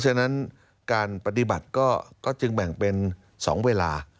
ฉะนั้นการปฏิบัติก็จึงแบ่งเป็น๒เวลา